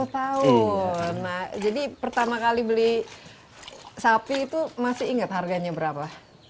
sepuluh tahun jadi pertama kali beli sapi itu masih ingat harganya berapa